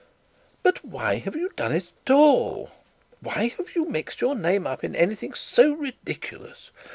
'But why have you done it at all? Why have you mixed your name up in any thing so ridiculous?